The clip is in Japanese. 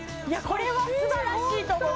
これはすばらしいと思う